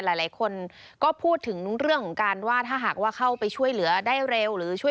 หลายคนก็พูดถึงเรื่องของการว่าถ้าหากว่าเข้าไปช่วยเหลือได้เร็วหรือช่วย